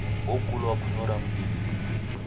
Okulwa wakunyora mdinyi